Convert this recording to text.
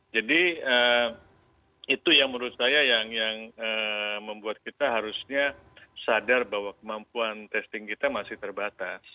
jadi itu yang menurut saya yang membuat kita harusnya sadar bahwa kemampuan testing kita masih terbatas